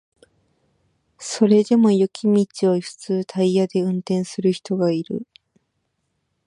それでも雪道を普通タイヤで運転する人がいる